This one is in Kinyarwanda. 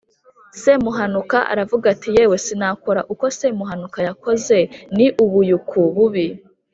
Semuhanuka aravuga ati” Yewe, sinakora uko semuhanuka yakoze, ni ubuyuku bubi.